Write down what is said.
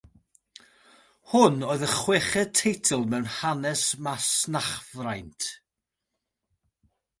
Hwn oedd y chweched teitl mewn hanes masnachfraint.